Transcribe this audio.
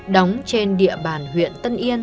đóng trên địa bàn huyện tân yên